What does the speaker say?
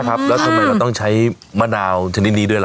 แป้งแรงมะนาวแป้นเบิงเพชร